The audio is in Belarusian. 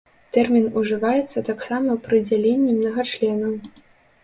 Тэрмін ужываецца таксама пры дзяленні мнагачленаў.